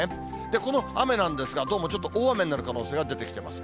この雨なんですが、どうもちょっと大雨になる可能性が出てきています。